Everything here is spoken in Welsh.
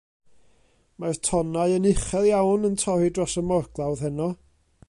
Mae'r tonnau yn uchel iawn yn torri dros y morglawdd heno.